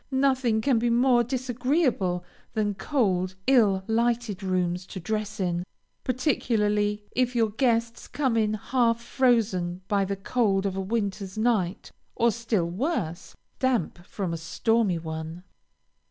Nothing can be more disagreeable than cold, ill lighted rooms to dress in, particularly if your guests come in half frozen by the cold of a winter's night, or still worse, damp from a stormy one.